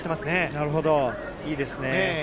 なるほど、いいですね。